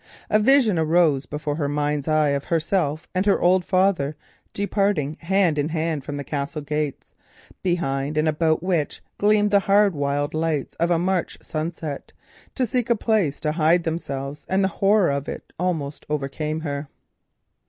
A vision arose before her mind's eye of herself and her old father departing hand in hand from the Castle gates, behind and about which gleamed the hard wild lights of a March sunset, to seek a place to hide themselves. The vivid horror of the phantasy almost overcame her.